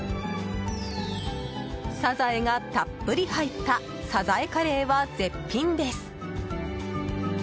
サザエがたっぷり入ったサザエカレーは、絶品です。